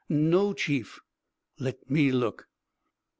"No, Chief." "Let me look."